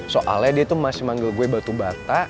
soalnya dia tuh masih manggil gue batu bata